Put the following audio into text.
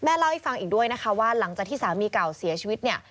เล่าให้ฟังอีกด้วยนะคะว่าหลังจากที่สามีเก่าเสียชีวิตเนี่ย